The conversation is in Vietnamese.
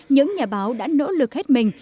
những nhà báo đã nỗ lực hết mình